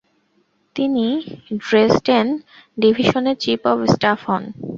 তিনি ড্রেসডেন ডিভিশনের chief of staff হন।